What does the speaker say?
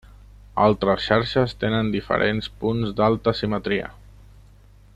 Altres xarxes tenen diferents punts d'alta simetria.